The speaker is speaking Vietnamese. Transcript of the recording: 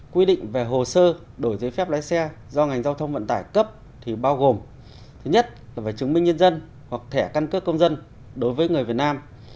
quy định về hồ sơ đổi giấy phép lái xe do ngành giao thông vận tải cấp thì bao gồm thứ nhất là về chứng minh nhân dân hoặc thẻ căn cước công dân đối với người việt nam